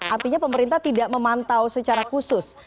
artinya pemerintah tidak memantau secara khusus